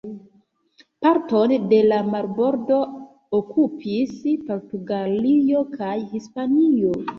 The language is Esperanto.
Parton de la marbordo okupis Portugalio kaj Hispanio.